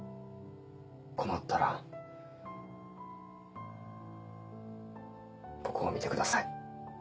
困ったら僕を見てください。